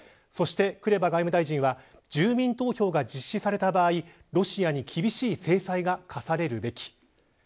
そして、クレバ外務大臣は住民投票が実施された場合ロシアに厳しい制裁が科されるべき。